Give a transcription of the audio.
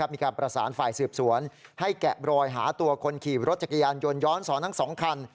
มีการประสานฝ่ายสืบสวนให้แกะรอยหาตัวคนขี่รถจักรยานยนต์ย้อนสอนทั้ง๒คัน